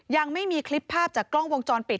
ยังไม่มีคลิปภาพจากกล้องวงจรปิด